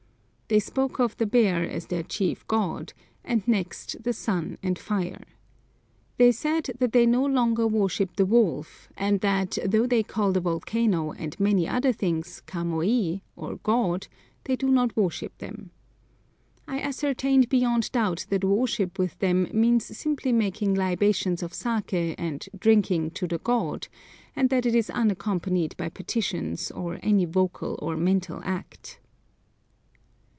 They spoke of the bear as their chief god, and next the sun and fire. They said that they no longer worship the wolf, and that though they call the volcano and many other things kamoi, or god, they do not worship them. I ascertained beyond doubt that worship with them means simply making libations of saké and "drinking to the god," and that it is unaccompanied by petitions, or any vocal or mental act.